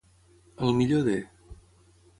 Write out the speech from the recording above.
Al millor de.